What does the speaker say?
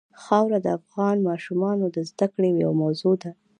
خاوره د افغان ماشومانو د زده کړې یوه موضوع ده.